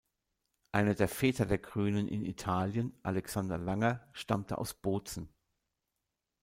Einer der Väter der Grünen in Italien, Alexander Langer, stammte aus Bozen.